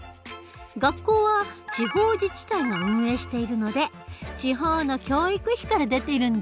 学校は地方自治体が運営しているので地方の教育費から出てるんだ。